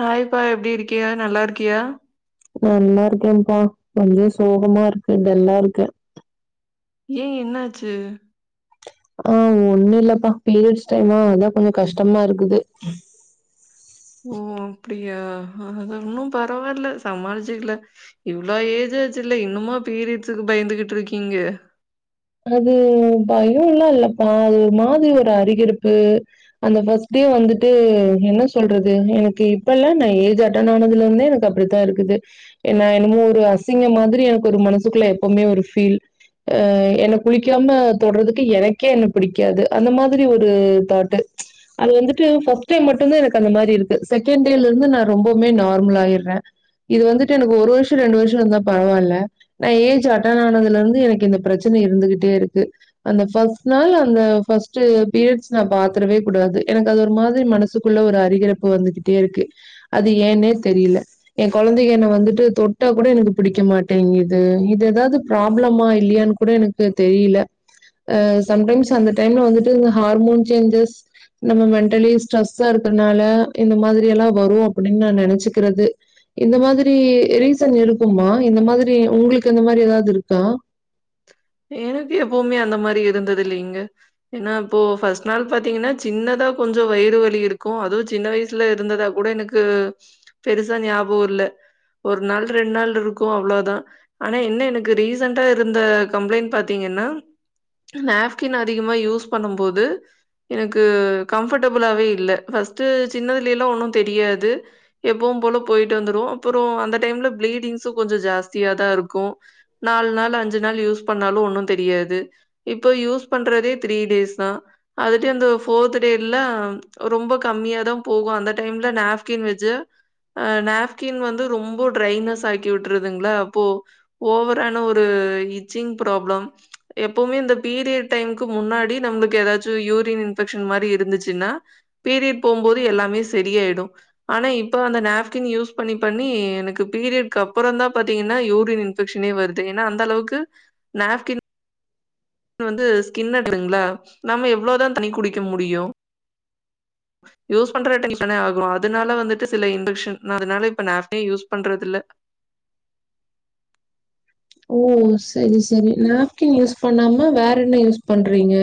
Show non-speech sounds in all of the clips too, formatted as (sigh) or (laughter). Hi பா எப்டி இருக்கியா நல்லா இருக்கியா நல்லா இருக்கேன் பா கொஞ்சோ சோகமா இருக்கு டல்லா இருக்க ஏன் என்னாச்சு ஆ ஒண்ணும் இல்லப்பா பீரியட்ஸ் டைமா அதான் கொஞ்சோ கஷ்டமாருக்குது ஓ அப்டியா அது ஒன்னும் பரவாயில்ல சமாளிச்சுக்கல இவ்ளோ ஏஜாச்சுல்ல இன்னுமா பீரியட்ஸுக்கு பயந்துட்டு இருக்கீங்க அது பயம்லாம் இல்ல பா அது ஒரு மாதிரி ஒரு அரிகிருப்பு அந்த ஃபர்ஸ்ட் டே வந்துட்டு என்ன சொல்றது எனக்கு இப்பல்ல நா ஏஜ் அட்டன் ஆனதுல இருந்தே எனக்கு அப்டித்தா இருக்குது ஏன்னா என்னமோ ஒரு அசிங்கம் மாதிரி எனக்கு ஒரு மனசுக்குள்ள எப்பவுமே ஒரு ஃபீல் ஐ எனக்கு குளிக்காம தொட்றதுக்கு எனக்கே என்ன பிடிக்காது அந்த மாதிரி ஒரு தாட்டு அது வந்துட்டு ஃபர்ஸ்ட் டே மட்டும் தான் எனக்கு அந்த மாரி இருக்கு செகண்ட் டேல இருந்து நா ரொம்பவுமே நார்மல் ஆயிட்றன் இது வந்துட்டு எனக்கு ஒரு வருஷோ ரெண்டு வருஷோ இருந்தா பரவாயில்ல நா ஏஜ் அட்டன் ஆனதுல இருந்து எனக்கு இந்த பிரச் தன இருந்துகிட்டே இருக்கு அந்த ஃபர்ஸ்ட் நாள் அந்த ஃபர்ஸ்ட் பீரியட்ஸ் நா பாத்துரவே கூடாது எனக்கு அது ஒரு மாதிரி மனசு சுக்குள்ள ஒரு அரிகிறப்பு வந்துகிட்டே இருக்கு அது ஏன்னே தெரியல என் கொழந்தைங்க என்ன வந்துட்டு தொட்டா கூட எனக்கு பிடிக்க மாட்டேங்கிது இது எதாவது பிராப்ளமா இல்லையானு கூட எனக்கு தெரியில அ சம்டைம்ஸ் அந்த டைம்ல வந்துட்டு இந்த ஹார்மோன் சேஞ்சஸ் நம்ம மென்டலி ஸ்ட்ரெஸ்ஸா இருக்குறனால இந்த மாதிரி எல்லாம் வரும் அப்டின்னு நா நெனச்சிக்கறது இது மாதிரி ரீசன் இருக்குமா இந்த மாதிரி உங்களுக்கு இந்த மாதிரி ஏதாது இருக்கா எனக்கு எப்பவுமே அந்த மாரி இருந்தது இல்லைங்க ஏன்னா இப்போ ஃபர்ஸ்ட் நாள் பாத்தீங்கன்னா ஜின்னதா கொஞ்சோ வயிறு வலி இருக்கும் அதும் ஜின்ன வயசுல இருந்ததா கூட எனக் கு பெருசா ஞாபோ இல்ல ஒரு நாள் ரெண்டு நாள் இருக்கும் அவ்ளோ தான் ஆனா என்ன எனக்கு ரீசன்டா இருந்த கம்ப்ளைண்ட் பாத்தீங்கன்னா நேப்கின் அதிகமா யூஸ் பண்ணும் போது எனக்கு கம்ஃபர்டபுளாவே இல்ல ஃபஸ்ட்டு சின்னதுலே எல்லோ ஒன்னு தெரியாது எப்பவு போல போயிட்டு வந்துரு அப்புறோ அந்த டைம்ல பிளீடிங்ஸு கொஞ்சோ ஜாஸ்தியா தா இருக்கு நாலு நாள் அஞ்சு நாள் யூஸ் பண்ணாலு ஒண்ணு தெரியாது இப்போ யூஸ் பண்றதே த்ரீ டேஸ் தா அதுட்ட இந்த போர்த் டேலா ரொம்ப கம்மியாதா போகு அந்த டைம்ல நாஃப்கின் வஜ்ஜ அ நாஃப்கின் வந்து ரொம்ப ட்ரைனஸ் ஆக்கி விட்டுறுதுங்களா அப்போ ஓவரான ஒரு இச்சிங் பிராப்ளம் எப்பவுமே இந்த பீரியட் டைம்க்கு முன்னாடி நம்மளுக்கு ஏதாச்சு யூரின் இன்ஃபெக்க்ஷன் மாரி இருந்துச்சுன்னா பீரியட் போம்போது எல்லாமே செரியாயிடு ஆனா இப்ப அந்த நாஃப்கின் யூஸ் பண்ணி பண்ணி எனக்கு பீரியட்க்கு அப்புறந் தா பாத்தீங்கன்னா யூரின் பிரச்சனையே வருது ஏனா அந்த அளவுக்கு நாப்கின் வந்து ஸ்கின்னட்லுங்ல நாம எவ்ளோதா தண்ணி குடிக்க முடியு (inaudible) யூஸ் பண்ற டென்ஷனே ஆகு அதனால வந்துட்டு சில இன்பெக்க்ஷன் அதனால இப்ப நாப்கினே யூஸ் பண்றதில்ல ஓ செரி செரி நாப்கின் யூஸ் பண்ணாம வேற என்ன யூஸ் பண்றீங்க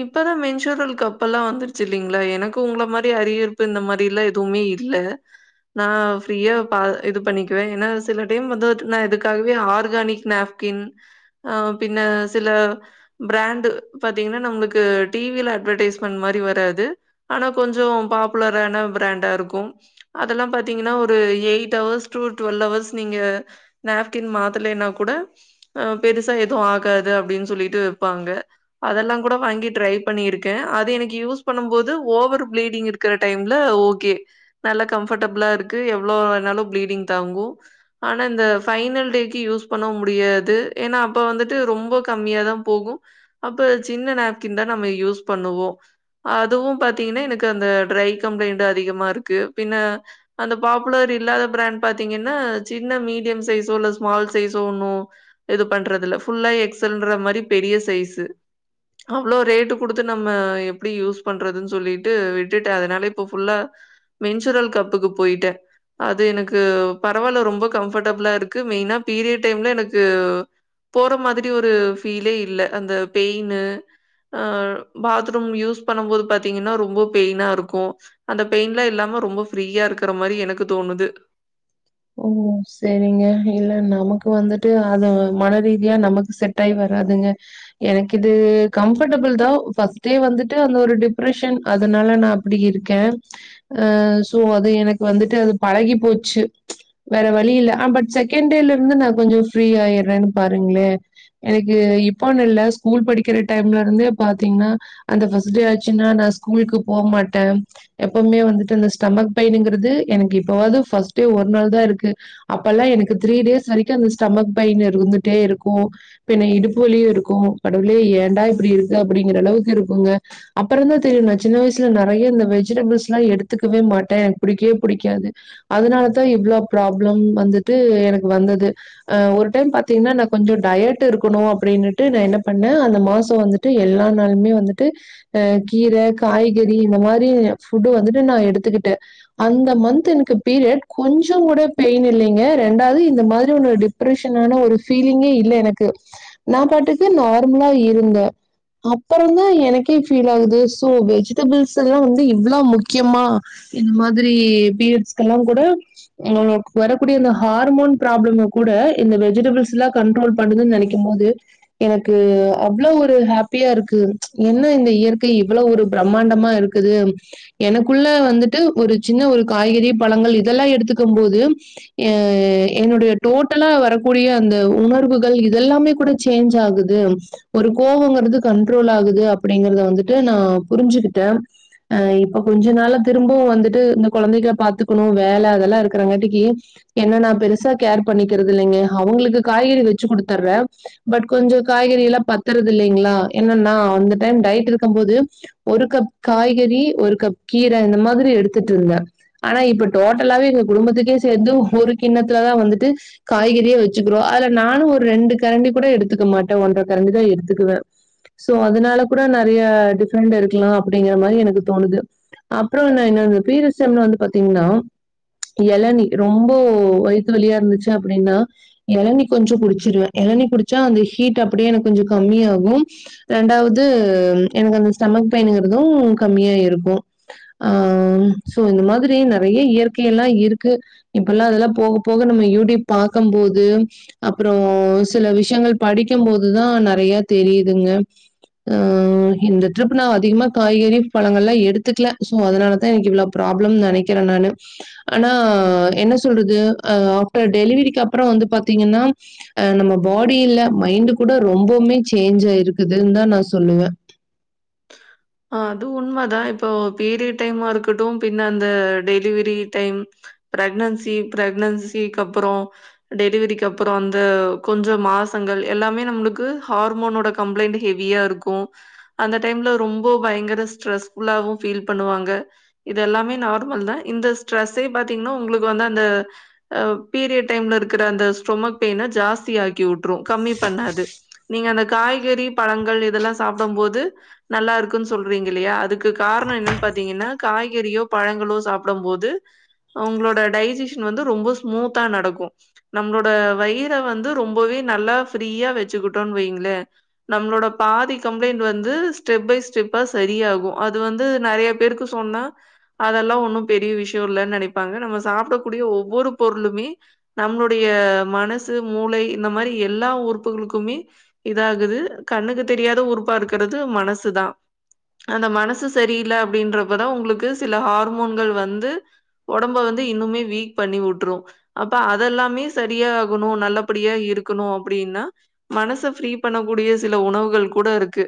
இப்பதா மென்சூரல் கப்பல்லா வந்துருச்சு இல்லைங்களா எனக்கு உங்கள மாரி அரிகிருப்பு இந்த மாரில்லா இருந் துமே இல்ல நா ஃப்ரீயா பா இது பண்ணிக்குவே ஏனா சில டைம் வந்து நா இதுக்காகவே ஆர்கானிக் நேப் கின் அ பின்ன சில பிராண்டு பாத்தீங்ன்னா நம்மளுக்கு டிவில அட்வடைஸ்மெண்ட் மாரி வராது ஆனா கொஞ்சோ பாப்புலரான பிராண்டா இருக்கு அதெல்லா பாத்தீங்கன்னா ஒரு eight hours to twelve hours நீங்க நாஃப்கின் மாத்தலைனா கூட அ பெருசா எதூ ஆகாது அப்டின் சொல்லிட்டு விப்பாங்க அதெல்லா கூட வாங்கி ட்ரைவ் பண்ணிருக்கே அது எனக்கு யூஸ் பண்ணும் போது ஓவர் பிளீடிங் இருக்கிற டைம்ல ஓகே நல்லா கம்ஃபர்டபிளா இருக்கு எவ்ளோ வேணாலு ப்ளீடிங் தாங்கு ஆனா இந்த பைனல் டேக்கு யூஸ் பண்ணவு முடியாது ஏனா அப்ப வந்துட்டு ரொம்ப கம்மியாதா போகு அப்ப சின்ன நேப்கின் தா நம்ம யூஸ் பண்ணுவோ அதுவு பாத்தீங்கன்னா எனக்கு அந்த ட்ரை கம்ப்ளைண்ட் அதிகமா இருக்கு பின்ன அந்த பாப்புலர் இல்லாத பிராண்ட் பாத்தீங்கன்னா சின்ன மீடியம் சைஸ் உல்ல ஸ்மால் சைஸ் ஒன்னு இது பண்றதில்ல ஃபுல்லா எக்ஸல்ன்ற மாரி பெரிய சைஸு அவ்ளோ ரேட்டு கொடுத்து நம்ம எப்டி யூஸ் பண்றதுன் சொல்லிட்டு விட்டுட்டே அதனால இப்ப ஃபுல்லா மென்சுரல் கப்புக்கு போயிட்டே அது எனக்கு பரவாயில்ல ரொம்ப கம்ஃபர்டபிளா இருக்கு மெயினா பீரியட் டைம்ல எனக்கு போற மாதிரி ஒரு ஃபீலே இல்ல அந்த பெயின்னு அ பாத்ரூம் யூஸ் பண்ணும் போது பாத்தீங்கன்னா ரொம்ப பெயினா இருக்கு அந்த பெயின்லா இல்லாம ரொம்ப ஃப்ரீயா இருக்குற மாரி எனக்கு தோணுது ஓ செரிங்க இல்ல நமக்கு வந்துட்டு அத மனரீதியா நமக்கு செ டை வராதுங்க எனக்கு இது கம்ஃபர்டபிள் தா ஃபர்ஸ்ட்டே வந்துட்டு அந்த ஒரு டிப்ரஷன் அதனால நா அப்டி இருக்கே அ சோ அது எனக்கு வந்துட்டு அது பழகி போச்சு வேற வழி இல்ல அ பட் செகண்ட் டேல இருந்து நா கொஞ்சோ ஃப்ரீய ஆயிடுறேனு பாருங்களே எனக்கு இப்போனு இல்ல ஸ்கூல் படிக்கிற டைம்லிருந்தே பாத்தீங்ன்னா அந்த பஸ்ட் டே ஆச்சுன்னா நா ஸ்கூலுக்கு போவ் மாட்டே எப்பவுமே வந்துட்டு அந்த ஸ்டமக் பெயினுங்குறது எனக்கு எப்பவாவ்து ஃபர்ஸ்டே ஒரு ஒரு நாள் தா இருக்கு அப்பல்லா எனக்கு த்ரீ டேஸ் வரைக்கு அந்த ஸ்டமக் பெயின் இருந்துட்டே இருக்கூ பின்ன இடுப்பு வலியு இருக்கூ கடவுளே ஏண்டா இப்டி இருக்கு அப்டிங்கிற அளவுக்கு இருக்கூங்க அப்பறந்தா தெரியு நா சின்ன வயசுல நறைய இந்த வெஜிடபிள்ஸ்ல்லா எடுத்துக்கவே மாட்டே எனக்கு புடிக்கவே புடிக்காது அதனாலதா இவ்ளோ ப்ராப்ளம் வந்துட்டு எனக்கு வந்தது அ ஒரு டைம் பாத்தீங்கன்னா நா கொஞ்சோ டயட் இருக்குணு அப்டின்னுட்டு நா என்ன பண்ணே அந்த மாசொ வந்துட் டு எல்லா நாளுமே வந்துட்டு அ கீர காய்கறி இந்த மாரி ஃபுட்டு வந்துட்டு நா எடுத்துக்கிட்டே அந்த மந்த் எனக்கு பீரீயட் கொஞ்சங் கூட பெயின் இல்லிங்க ரெண்டாவ்து இந்த மாரி ஒன்னு டிப்ரெஷனான ஒரு ஃபீலிங்கே இல்ல எனக்கு நா பாட்டுக்கு நார்மலா இருந்தே அப்பொறந்தா எனக்கே ஃபீல் ஆகுது சோ வெஜிடபிள்ஸ் எல்லா வந்து இவ்ள முக்கியமா இந்த மாதிரி பீரீயட்ஸ்க்கலா கூட எனக்கு வரக்கூடிய அந்த ஹார்மோன் ப்ராப்ளமே கூட இந்த வெஜிடபிள்ஸ்ல்லா கண்ட்ரோல் பண்ணுதுன்னு நெனைக்கும் போது எனக்கு அவ்ளோ ஒரு ஹாப்பியா இருக்கு என்ன இந்த இயற்கை இவ்வளவு ஒரு பிரமாண்டமா இருக் க்குது எனக்குள்ள வந்துட்டு ஒரு சின்ன ஒரு காய்கறி பழங்கள் இது இதெல்லா எடுத்துக்கம் போது எ என்னுடைய டோட்டலா வரக்கூடிய அந்த உணர்வுகள் இதெல்லாமே கூட சேஞ்ச் ஆகுது ஒரு கோவோங்கிறது கண்ட்ரோல் ஆகுது அப்டிங்கறத வந்துட்டு நா புரிஞ்சுகிட்டே அ இப்ப கொஞ்ச நாளா திரும்பவு வந்துட்டு இந்த கொழந்தைகள பாத்துக்குணு வேல அதெல்லா இருக்கறாங்காட்டிக்கி என்னன்னா பெருசா கேர் பண்ணிக்கறது இல்லங்க அவுங்களுக்கு காய்கறி வெச்சு குடுத்தர்றேன் பட் கொஞ்ச காய்கறி எல்லாம் பத்துறது இல்லங்களா என்னன்னா அந்த டைம் டயட் இருக்கம் போது ஒரு கப் காய்கறி ஒரு கப் கீர இந்த மாதிரி எடுத்துட்ருந்தேன் ஆனா இப்ப டோட்டலாவே எங்க குடும்பத்துக்கே சேர்ந்து ஒரு கிண்ணத்துல தா வந்துட்டு காய்கறியே வச்சுக்கிறோ அதுல நானு ஒரு ரெண்டு கரண்டி கூட எடுத்துக்க மாட்டே ஒன்ற கரண்டிதா எடுத்துக்குவே சோ அதனால கூட நறய டிஃபரெண்ட் இருக்லா அப்டிங்கற மாரி எனக்கு தோணுது அப்புறொ ந என்ன இந்த பீரியட்ஸ் டைம்ல வந்து பாத்தீங்ன்னா எளநி ரொம்ப வயித்து வழியா இருந்துச்சு அப்டின்னா எளநி கொஞ்சொ குடிச்சிருவே எளநி குடிச்சா அந்த ஹீட் அப்டியே எனக்கு கொஞ்சொ கம்மியாகும் ரெண்டாவது எனக்கு அந்த ஸ்டமக் பெயின்ங்கறதும் கம்மியா இருக்கூ ஆ சோ இந்த மாதிரி நறைய இயற்கையெல்லா இருக்கு இப்ப எல்லா அதெல்லாம் போக போக நம்ம யூடியூப் பாக்கம் போது அப்புறோ சில விஷயங்கள் படிக்கம் போதுதா நறைய தெரியுதுங்க ஆ இந்த ட்ரிப் நா அதிகமா காய்கறி பழங்கல்லா எடுத்துக்ல சோ அதனாலதா எனக்கு இவ்ள ப்ராப்ளம்னு நெனைக்கிறன் நானு ஆனா என்ன சொல்றது அ ஆஃப்டர் டெலிவெரிக்கி அப்பறம் வந்து பாத்தீங்கன்னா அ நம்ம பாடியில மைண்டு கூட ரொம்பவுமே சேஞ்ச் ஆயிருக்குதுன்னு தா நா சொல்லுவே ஆ அது உண்ம தா இப்போ பீரியட் டைமா இருக்கட்டு பின்ன அந்த டெலிவெரி டைம் ப்ரெக்னன்சி ப்ரெக்னன்சிக்கு அப்புறம் டெலிவரிக்கு அப்புறோ அந்த கொஞ்ச மாசங்கள் எல்லாமே நம்மளுக்கு ஹார்மோன்னோட கம்ளைண்டு ஹெவியா இருக்கூ அந்த டைம்ல ரொம் ப்போ பயங்கர ஸ்டரெஸ் ஃபுல்லாவு ஃபீல் பண்ணுவாங்க இது எல்லாமே நார்மல் தா இந்த ஸ்ட்ரெஸ்ஸே பாத்தீங்ன்னா ஒங்ளுக்கு வந்து அந்த அ பீரியட் டைம்ல இருக்குற அந்த ஸ்டொமக் பெயின ஜாஸ்தி ஆக்கி வுட்ரு கம்மி பண்ணாது நீங்க அந்த காய்கறி பழங்கள் இதெல்லா சாப்டம் போது நல்லாரு க்கு சொல்றீங்க இல்லயா அதுக்கு கார்ணோ என்னன் பாத்தீங்கன்னா காய்கறியோ பழங்களோ சாப்டம்போது ஒங்களோட டைஜிஷின் வந்து ரொம்ப ஸ்மூத்தா நடக்கு நம்ளோட வயிற வந்து ரொம்பவே நல்லா ஃப்ரீயா வெச்சுக்கிட்டோன் வெய்ங்ளே நம்ளோட பாதி கம்ப்ளைண்ட் வந்து ஸ்டெப் பை செப்பா சரியாகு அது வந்து நெறைய பேருக்கு சொன்னா அதெல்லா ஒன்னு பெரிய விஷயோ இல்லன்னு நெனைப்பாங்க நம்ப சாப்டக்கூடிய ஒவ்வொரு பொருளுமே நம்ளுடைய மனசு மூளை இந்த மாரி எல்லா உறுப்புகளுக்குமே எதாது கண்ணுக்கு தெரியாத உறுப்பா இருக்கறது மனசு தா அந்த மனசு சரியில்ல அப்டின்றப்பதா ஒங்ளுக்கு சில ஹார்மோன்கள் வந்து ஒடம்ப வந்து இன்னுமே வீக் பண்ணிவுட்ரு அப்ப அதெல்லாமே சரியாகுனு நல்லபடியா இருக்குனு அப்டின்னா மனச ஃப்ரீ பண்ண கூடிய சில உணவுகள் கூட இருக்கு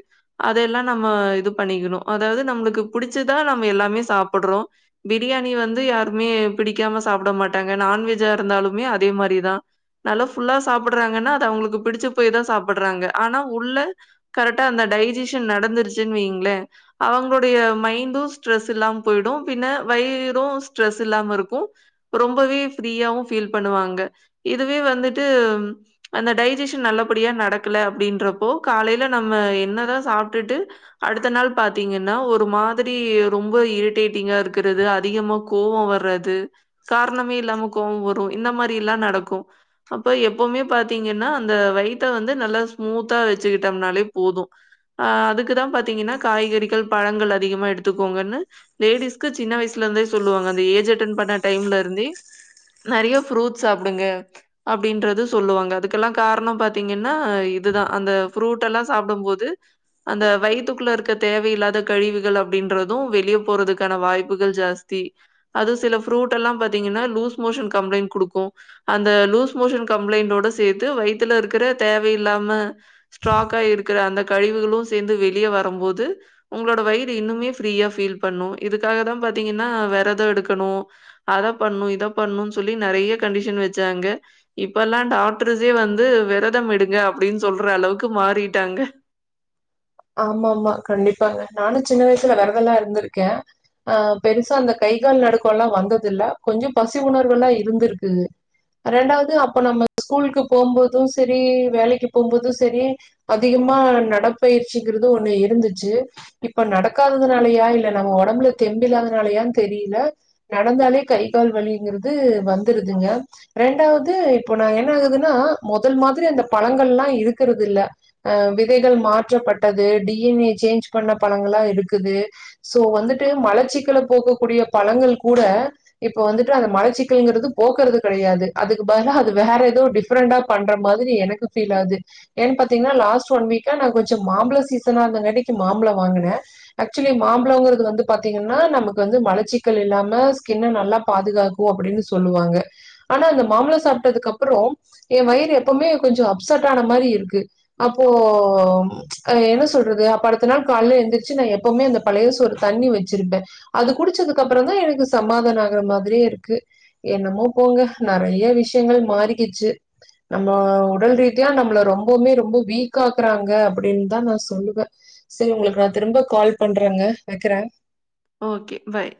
அதெல்லா நம்ம இது பண்ணிக்குனு அதாது நம்ளுக்கு புடிச்சதா நம்ம எல்லாமே சாப்பட்றோ பிரியாணி வந்து யாருமே பிடிக்காம சாப்ட மாட்டாங்க நான்வெஜ்ஜா இருந்தாலுமே அதே மாரிதா நல்லா ஃபுல்லா சாப்பட்றாங்கனா அது அவுங்களுக்கு பிடிச்சபே தா சாப்பட்றாங்க ஆனா உள்ள கரெக்ட்டா அந்த டைஜிஷின் நடந்துருச்சின் வைங்ளே அவங்களுடைய மைண்டு ஸ்ட்ரெஸ் இல்லாம பொய்டு பின்ன வையிரு ஸ்ட்ரெஸ் இல்லாம இருக்கு ரொம்பவே ஃப்ரீயாவு ஃபீல் பண்ணுவாங்க இதுவே வந்துட்டு அந்த டைஜிஷின் நல்லபடியா நடக்கல அப்டின்றப்போ காலைல நம்ம என்னதா சாப்டுட்டு அடுத்த நாள் பாத்தீங்கன்னா ஒரு மாதிரி ரொம்ப இரிட்டேட்டிங்கா இருக்றது அதிகமாக கோவோ வரது காரணமே இல்லாம கோவோ வரு இந்த மாரிலா நடக்கு அப்ப எப்பவுமே பாத்தீங்கன்னா அந்த வயித்த வந்து நல்லா ஸ்மூத்தா வெச்சிகிட்டம்னாலே போது அ அதுக்குதா பாத்தீங்கன்னா காய்கறிகள் பழங்கள் அதிகமா எடுத்துக்கோங்கன்னு லேடிஸ்க்கு சின்ன வயசுல இருந்தே சொல்லுவாங்க அந்த ஏஜ் அட்டன் பண்ண டைம்ல இருந்தே நெறைய ஃப்ரூட்ஸ் சாப்டுங்க அப்டின்றது சொல்லுவாங்க அதுகெல்லா கார்ணோ பாத்தீங்கன்னா இதுதா அந்த ஃப்ரூட் எல்லா சாப்டமோது அந்த வயித்து குள்ள இருக்க தேவயில்லாத கழிவுகள் அப்டின்றது வெளிய போறதுக்கான வாய்ப்புகள் ஜாஸ்தி அது சில ஃப்ரூடெல்லா பாத்தீங்கன்னா லூஸ் மோஷன் கம்ளைண் குடுக்கு அந்த லூஸ் மோஷன் கம்ளைண்டோட சேத்து வயித்துல இருக்குற தேவ இல்லாம ஸ்டாக் ஆயிர்க்ற அந்த கழிவுகளு சேந்து வெளிய வரம்போது ஒங்களோட வயிறு இன்னுமே ஃப்ரீயா ஃபீல் பண்ணு இதுக்காக தா பாத்தீங்கன்னா வெரத எடுக்கனு அத பண்ணு இத பண்ணு சொல்லி நெறைய கண்டிஷன் வச்சாங்க இப்பெல்லா டாக்ட்ரஸே வந்து விரதம் எடுங்க அப்டின் சொல்ற அளவுக்கு மாறிட்டாங்க ஆமாமா கண்டிப்பாக நானு சின்ன வயசுல வெரதெல்லா இருந்துருக்கே அ பெருசா அந்த கை கால் நடுக்கோலா வந்தது இல்ல கொஞ்சம் பசி உணர்வெல்லா இருந்துருக்கு ரெண்டாவது அப்போ நம்ம ஸ்கூல்க்கு போம்போது செரி வேலைக்கு போம்போது சரி அதிகமா நடப்பயிற்சிங்றது ஒன்னு இருந்துச்சு இப்ப நடக்காததுனாலயா இல்ல நம்ம ஒடம்புல தெம்பில்லாதனாலயான் தெரில நடந்தாலே கை கால் வலிங்கிறது வந்துருதுங்க ரெண்டாவது இப்போ நா என்ன ஆகுதுன்னா மொதல் மாதிரி அந்த பழங்கள்லா இருக்குறது இல்ல அ விதைகள் மாற்றப்பட்டது டி என் ஏ சேஞ்ச் பண்ண பழங்களா இருக்குது சோ வந்துட்டு மலச்சிக்கல போக்க கூடிய பழங்கள் கூட இப்ப வந்துட்டு அந்த மலச்சிக்கல்ங்குறது போக்குறது கெடையாது அதுக்கு பதிலா அது வேற ஏதோ டிஃப் ப்ரெண்டா பண்ற மாதிரி எனக்கு ஃபீல்லாது ஏன்னு பாத்தீங்கன்னா லாஸ்ட் ஒன் வீக்கா நா கொஞ்சோ மாம்பழ சீசனா இருந்தங்காட்டிக்கு மாம்பழம் வாங்குன ஆக்சுவலி மாம்பழோங்றது வந்து பாத்தீங்கன்னா நமக்கு வந்து மலச்சிக்கல் இல்லாம ஸ்கின்ன நல்லா பாதுகாக் கு அப்டின்னு சொல்லுவாங்க ஆனா அந்த மாம்பழ சாப்ட்டதுக்கப்பறோ எ வயிறு எப்பமே கொஞ்சோ அப்செட் ஆன மாரி இருக்கு அப்போ அ என்ன சொல்றது அப்ப அடுத்த நாள் கால்ல எந்திரிச்சு நா எப்பமே அந்த பழைய சோறு தண்ணி வச்சிருப்ப அது குடிச்சதுக்கு அப்பறந்தா எனக்கு சமாதானம் ஆகுற மாதிரியே இருக்கு என்னமோ போங்க நெறைய விஷயங்கள் மாறிக்கிச்சு நம்ம உடல் ரீதியா நம்ள ரொம்பமே ரொம்ப வீக்காக்குறாங்க அப்டின்னுதா நா சொல்லுவ, சேரி உங்களுக்கு நா திரும்ப கால் பண்றங்க வைக்கிற ஓகே பாய்.